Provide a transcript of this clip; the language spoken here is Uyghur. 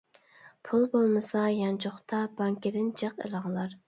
پۇل بولمىسا يانچۇقتا، بانكىدىن جىق ئېلىڭلار.